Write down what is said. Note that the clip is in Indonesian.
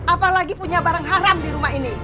apalagi punya barang haram di rumah ini